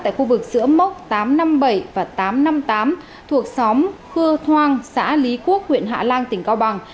tại khu vực giữa mốc tám trăm năm mươi bảy và tám trăm năm mươi tám thuộc xóm cưa thoang xã lý quốc huyện hạ lan tỉnh cao bằng